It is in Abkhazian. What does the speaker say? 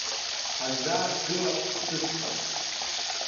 Ҳарзааҭгылап хҭысқәак.